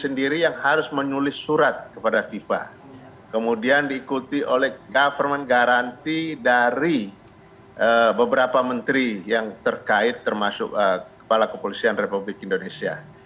sendiri yang harus menulis surat kepada fifa kemudian diikuti oleh government garanti dari beberapa menteri yang terkait termasuk kepala kepolisian republik indonesia